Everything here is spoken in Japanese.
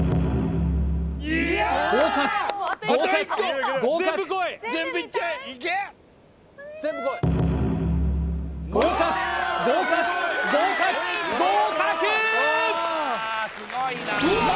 合格合格合格合格合格合格合格！